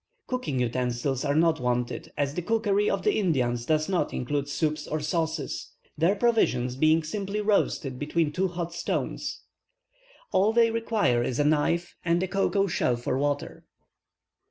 Cooking utensils are not wanted, as the cookery of the Indians does not include soups or sauces, their provisions being simply roasted between hot stones. All they require is a knife, and a cocoa shell for water.